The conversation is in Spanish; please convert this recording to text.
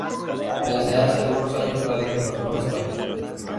Desde hace algunos años, radica en Barcelona, España.